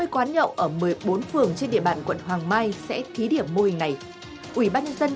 một trăm sáu mươi quán nhậu ở một mươi bốn phường trên địa bàn quận hoàng mai sẽ thí điểm mô hình này